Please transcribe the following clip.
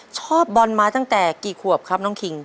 ชอบบอลมาตั้งแต่กี่ขวบครับน้องคิง